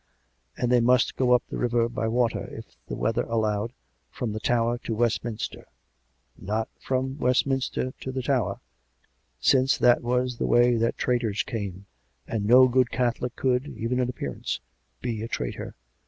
And they must go up the river by water, if the weather allowed, from the Tower to West minster; not from Westminster to the Tower, since tliat was the way that traitors came, and no good Catholic could, even in appearance, be a traitor.